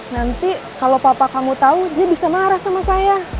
nanti kalau papa kamu tahu dia bisa marah sama saya